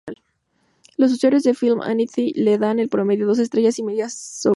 Los usuarios de FilmAffinity le dan en promedio dos estrellas y media sobre cinco.